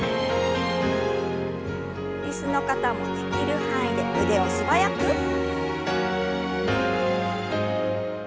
椅子の方もできる範囲で腕を素早く。